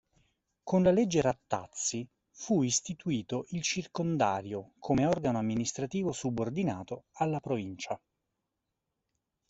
Con la Legge Rattazzi fu istituito il circondario come organo amministrativo subordinato alla provincia.